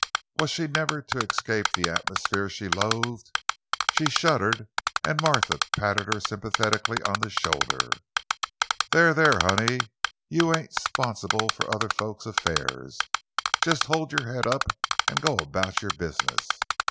Was she never to escape the atmosphere she loathed? She shuddered and Martha patted her sympathetically on the shoulder. "There, there, honey; you ain't 'sponsible for other folks' affairs. Jes' you hold you' head up an' go about you' business.